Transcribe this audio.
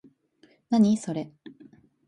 何、それ？